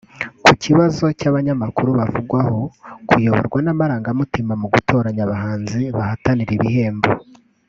Ku kibazo cy’abanyamakuru bavugwaho kuyoborwa n’amarangamutima mu gutoranya abahanzi bahatanira ibihembo